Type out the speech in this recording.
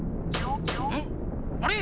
んっあれ？